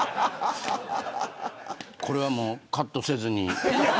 これはカットせずに。